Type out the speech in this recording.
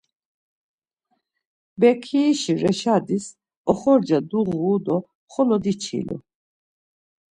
Bekiişi Reşidis oxorca duğuru do xolo diçilu.